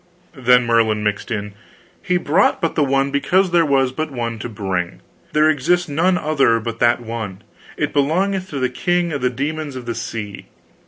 Then Merlin mixed in: "He brought but the one because there was but the one to bring. There exists none other but that one. It belongeth to the king of the Demons of the Sea.